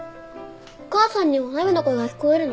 お母さんにはお鍋の声が聞こえるの？